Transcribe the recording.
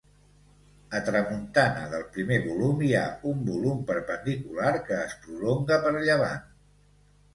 A tramuntana del primer volum hi ha un volum perpendicular que es prolonga per llevant.